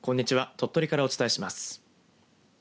鳥取からお伝えします。